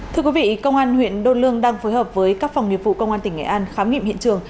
thưa quý vị công an huyện đô lương đang phối hợp với các phòng nghiệp vụ công an tỉnh nghệ an khám nghiệm hiện trường